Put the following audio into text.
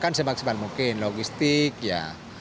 dan semakin seman mungkin logistik ya